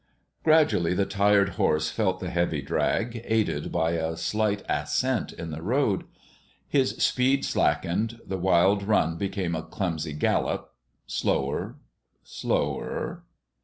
Gradually the tired horse felt the heavy drag, aided by a slight ascent in the road. His speed slackened; the wild run became a clumsy gallop, slower, slower.